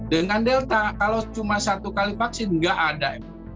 dengan delta kalau cuma satu kali vaksin nggak ada